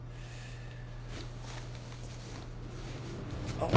あっ。